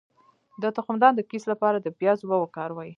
د تخمدان د کیست لپاره د پیاز اوبه وکاروئ